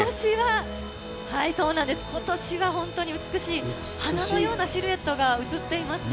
そうなんです、今年は本当に美しい花のようなシルエットが映っていますね。